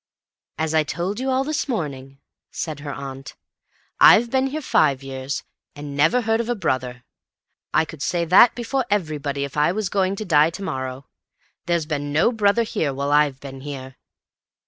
"As I told you all this morning," said her aunt, "I've been here five years, and never heard of a brother. I could say that before everybody if I was going to die to morrow. There's been no brother here while I've been here."